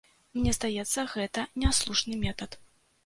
Мне здаецца, гэта няслушны метад.